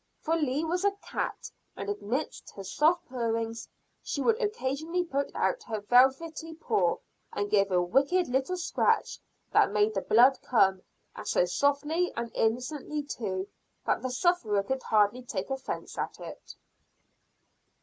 For Leah was a cat; and amidst her soft purrings, she would occasionally put out her velvety paw, and give a wicked little scratch that made the blood come, and so softly and innocently too, that the sufferer could hardly take offence at it.